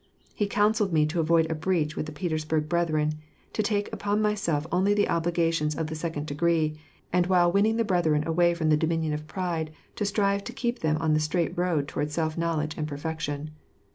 He counselled mc to avoid a breach with the Peters burg brethren, to take upon myself only the obligations of the second degree, and while winning the brethren away from the dominion of jiride, to strive to keep them on the straight road toward self knowledge ami perfection.